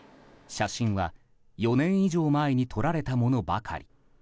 写真は４年以上前に撮られたものばかり。